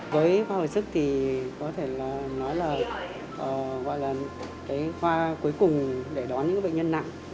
với khoa hội sức thì có thể nói là khoa cuối cùng để đón những bệnh nhân nặng